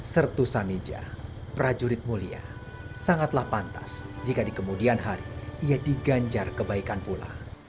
sertu sanija prajurit mulia sangatlah pantas jika di kemudian hari ia diganjar kebaikan pula